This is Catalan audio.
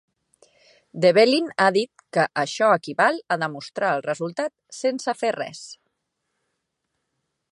Develin ha dit que això equival a demostrar el resultat "sense fer res".